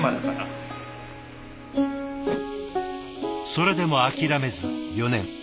それでも諦めず４年。